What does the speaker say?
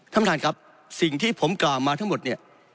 ท่านประธานครับสิ่งที่ผมกล่าวมาทั้งหมดเนี่ย